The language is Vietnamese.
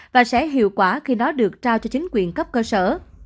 và sẽ hiệu quả khi nó được trao cho chính quyền cấp cơ sở